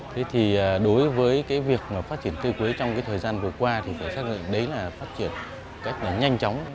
thế thì đối với việc phát triển cây quế trong thời gian vừa qua thì phải xác định đấy là phát triển cách nhanh chóng